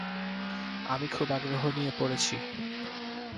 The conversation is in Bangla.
আমি খুব আগ্রহ নিয়ে পড়েছি।